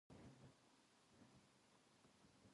野球観戦が好きだ。